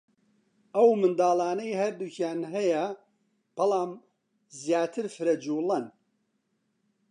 ئەو منداڵانەی هەردووکیان هەیە بەلام زیاتر فرەجووڵەن